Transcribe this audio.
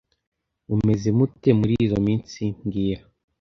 Mumeze mute murizoi minsi mbwira